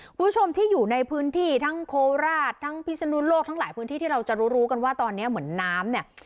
คุณผู้ชมที่อยู่ในพื้นที่ทั้งโคราชทั้งพิศนุโลกทั้งหลายพื้นที่ที่เราจะรู้รู้กันว่าตอนนี้เหมือนน้ำเนี่ย